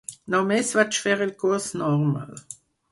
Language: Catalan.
"Només vaig fer el curs normal".